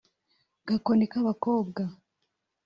Gakoni k’abakobwa